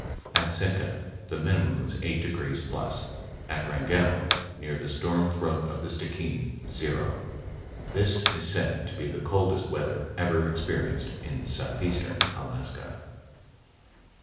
At Sitka the minimum was eight degrees plus; at Wrangell, near the storm throat of the Stickeen, zero. This is said to be the coldest weather ever experienced in southeastern Alaska.